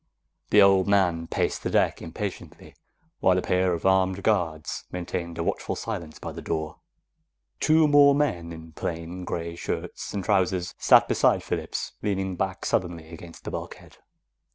The old man paced the deck impatiently, while a pair of armed guards maintained a watchful silence by the door. Two more men in plain gray shirts and trousers sat beside Phillips, leaning back sullenly against the bulkhead.